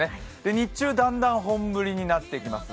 日中、だんだん本降りになってきます。